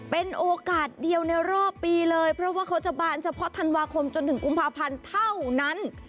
เป็นโอกาสเดียวในรอบปีเลยเพราะว่าเขาจะบานเฉพาะธันวาคมจนถึงกุมภาพันธ์เท่านั้น